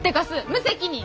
無責任！